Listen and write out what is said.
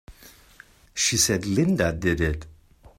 She said Linda did it!